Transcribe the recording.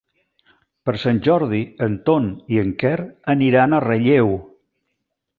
Per Sant Jordi en Ton i en Quer aniran a Relleu.